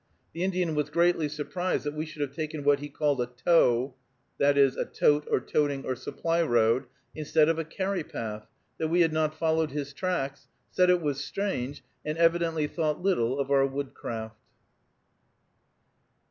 The Indian was greatly surprised that we should have taken what he called a "tow" (i. e., tote or toting or supply) road, instead of a carry path, that we had not followed his tracks, said it was "strange," and evidently thought little of our woodcraft.